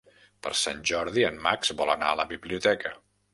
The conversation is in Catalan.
Per Sant Jordi en Max vol anar a la biblioteca.